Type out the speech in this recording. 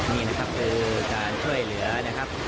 นี่นะครับคือการช่วยเหลือนะครับ